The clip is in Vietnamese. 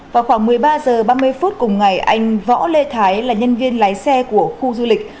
vào khoảng một mươi ba h ba mươi phút cùng ngày anh võ lê thái là nhân viên lái xe của khu du lịch